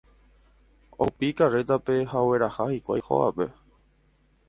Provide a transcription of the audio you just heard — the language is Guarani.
Ohupi karrétape ha ogueraha hikuái hógape.